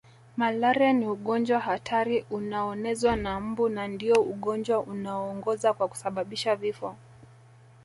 Malaria ni ugonjwa hatari unaonezwa na mbu na ndio ugonjwa unaoongoza kwa kusababisha vifo